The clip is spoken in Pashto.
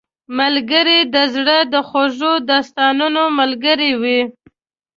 ملګری د زړه د خوږو داستانونو ملګری وي